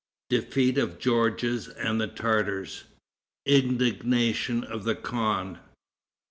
Defeat of Georges and the Tartars Indignation of the Khan.